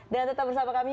dan tetap bersama kami